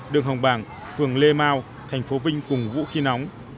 đường hồng bàng phường lê mau tp vinh cùng vũ khi nóng